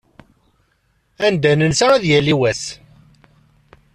Anda nensa, ad yali wass.